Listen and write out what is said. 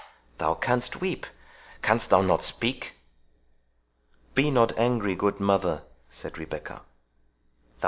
—thou canst weep, canst thou not speak?" "Be not angry, good mother," said Rebecca.